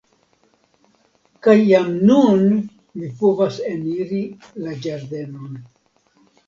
Kaj jam nun mi povas eniri la ĝardenon.